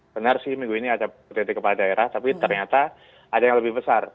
benar sih minggu ini ada pt kepala daerah tapi ternyata ada yang lebih besar